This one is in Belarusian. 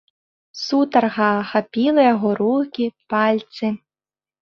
Сутарга ахапіла яго рукі, пальцы.